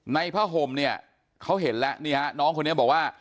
ผ้าห่มเนี่ยเขาเห็นแล้วนี่ฮะน้องคนนี้บอกว่า